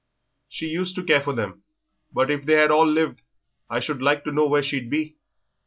"She used to care for them, but if they had all lived I should like to know where she'd be.